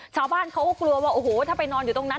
ชาวบ้านเขาก็กลัวว่าโอ้โหถ้าไปนอนอยู่ตรงนั้น